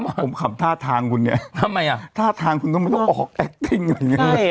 ผมขำท่าทางคุณเนี่ยทำไมอ่ะท่าทางคุณต้องไม่ต้องออกแอคติ้งอะไรอย่างนี้